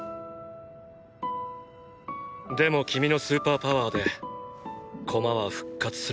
でも君のスーパーパワーでコマは復活する。